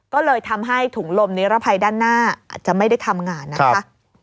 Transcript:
ก็เลยทำให้ถุงลมนิรภัยด้านหน้าอาจจะไม่ได้ทำงานนะคะ